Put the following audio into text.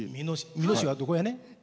美濃市は、どこやね？